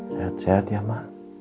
sehat sehat ya ma